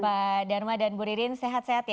pak dharma dan bu ririn sehat sehat ya